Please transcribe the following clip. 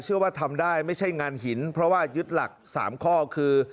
ว่าทำได้ไม่ใช่งานหินเพราะว่ายึดหลัก๓ข้อคือ